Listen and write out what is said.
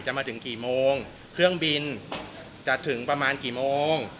มาถึงกี่โมงเครื่องบินจะถึงประมาณกี่โมง